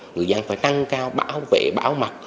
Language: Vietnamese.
người dân phải nâng cao bảo vệ bảo mặt